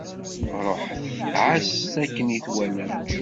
Ṛuḥet, ɛasset-tt akken i twalam.